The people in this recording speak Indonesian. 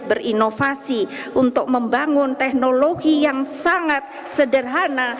berinovasi untuk membangun teknologi yang sangat sederhana